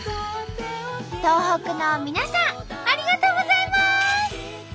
東北の皆さんありがとうございます！